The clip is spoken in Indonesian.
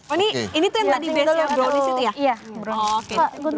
oh ini tuh yang tadi base brownies itu ya